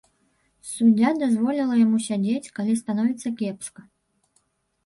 Суддзя дазволіла яму сядзець, калі становіцца кепска.